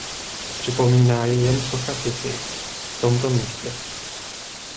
Připomíná ji jen socha Sissi v tomto místě.